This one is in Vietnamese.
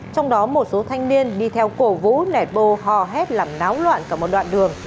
trong đó một số thanh niên đi theo cổ vũ nẹt bô hò hét làm náo loạn cả một đoạn đường